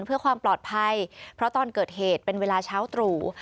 เพื่อความปลอดภัยเพราะตอนเกิดเหตุเป็นเวลาเช้าตรู่